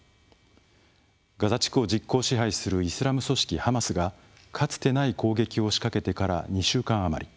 ガザ地区を実効支配するイスラム組織ハマスがかつてない攻撃を仕掛けてから２週間余り。